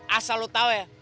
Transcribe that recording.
asal lu tau ya